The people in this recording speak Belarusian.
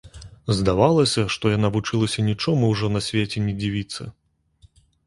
Здавалася, што яна вучылася нічому ўжо на свеце не дзівіцца.